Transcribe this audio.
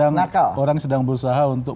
yang orang sedang berusaha untuk